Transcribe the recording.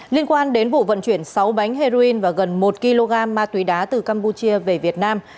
liên quan đến vụ vận chuyển sáu bánh heroin và gần một kg ma túy đá từ campuchia về việt nam